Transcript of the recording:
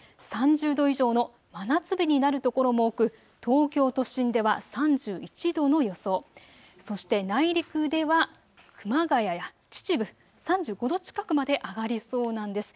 ３０度以上の真夏日になる所も多く東京都心では３１度の予想、そして内陸では熊谷や秩父３５度近くまで上がりそうなんです。